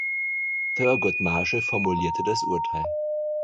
Thurgood Marshall formulierte das Urteil.